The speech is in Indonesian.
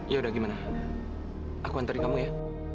yaudah gimana aku anterin kamu ya